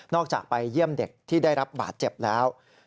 จากไปเยี่ยมเด็กที่ได้รับบาดเจ็บแล้ว